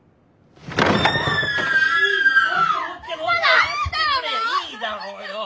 いいだろう？